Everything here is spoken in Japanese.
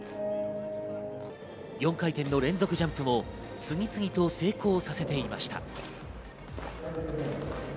４回転の連続ジャンプも次々と成功させていました。